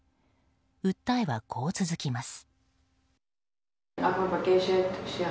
訴えは、こう続きます。